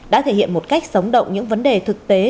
đã thể hiện một cách sống động những vấn đề thực tế